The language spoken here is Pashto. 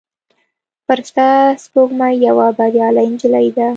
فرشته سپوږمۍ یوه بریالۍ نجلۍ ده.